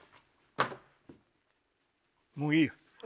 もういいよ。